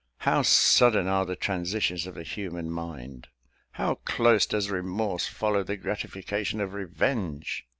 How sudden are the transitions of the human mind! how close does remorse follow the gratification of revenge!